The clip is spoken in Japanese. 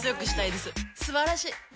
すばらしい！